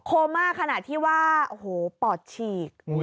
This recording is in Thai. โม่ขนาดที่ว่าโอ้โหปอดฉีก